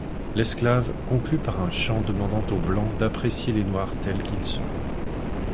L'esclave conclut par un chant demandant aux blancs d'apprécier les noirs tels qu'ils sont.